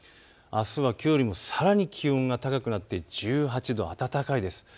あすはきょうよりもさらに気温が高くなって１８度、暖かいです。